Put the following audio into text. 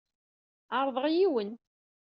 Ɛerḍeɣ yiwen.